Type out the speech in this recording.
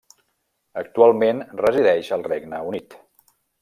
Actualment, resideix al Regne Unit.